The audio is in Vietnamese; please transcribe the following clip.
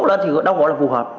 lên thì đó gọi là phù hợp